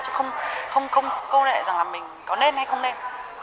chứ không công lệ rằng là mình có nên hay không nên